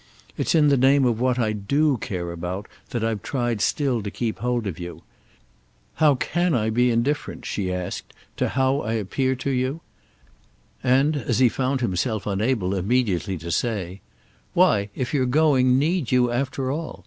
It's in the name of what I do care about that I've tried still to keep hold of you. How can I be indifferent," she asked, "to how I appear to you?" And as he found himself unable immediately to say: "Why, if you're going, need you, after all?